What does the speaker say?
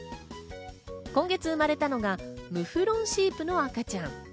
今月生まれたのがムフロンシープの赤ちゃん。